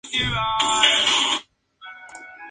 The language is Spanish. Sus representantes fueron Drum Club, Spooky y William Orbit.